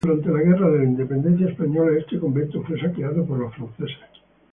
Durante la Guerra de la Independencia Española, este convento fue saqueado por los franceses.